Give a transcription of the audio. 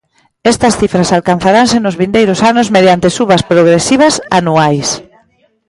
Estas cifras alcanzaranse nos vindeiros anos mediante subas progresivas anuais.